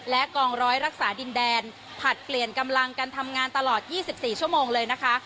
และกองร้อยรักษาดินแดนผลัดเปลี่ยนกำลังกันทำงานตลอด๒๔ชั่วโมงเลยนะคะ